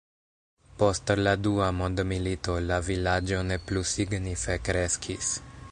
Post la Dua mondmilito la vilaĝo ne plu signife kreskis.